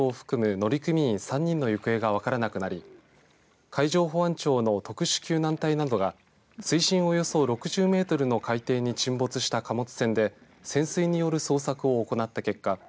乗組員３人の行方が分からなくなり海上保安庁の特殊救難隊などが水深およそ６０メートルの海底に沈没した貨物船で潜水による捜索を行った結果